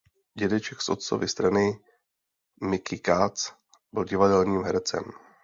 Dědeček z otcovy strany Mickey Katz byl divadelním hercem.